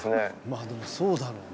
まあでもそうだろうな。